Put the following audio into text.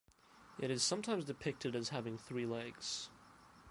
It is sometimes depicted as having three legs.